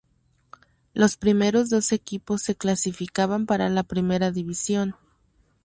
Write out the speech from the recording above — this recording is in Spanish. Los primeros dos equipos se clasificaban para la primera división.